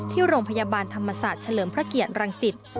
ที่โรงพยาบาลธรรมศาสตร์เฉลิมพระเกียรติรังสิต